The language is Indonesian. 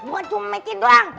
buat cuma mekin doang